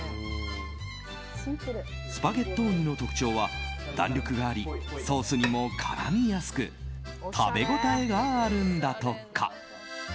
スパゲットーニの特徴は弾力がありソースにも絡みやすく食べ応えがあるんだとか。